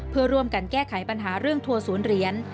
เพื่อร่วมกันแก้ไขปัญหาเรื่องทัวร์ศูนย์เหรียญ